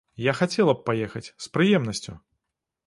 Я хацела б паехаць, з прыемнасцю.